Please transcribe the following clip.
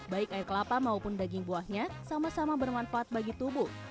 baik air kelapa maupun daging buahnya sama sama bermanfaat bagi tubuh